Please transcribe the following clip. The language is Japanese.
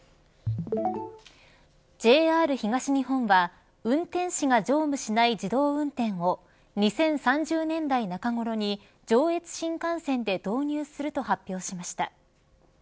ＪＲ東日本は運転士が乗務しない自動運転を２０３０年代中頃に上越新幹線で導入すると発表しました。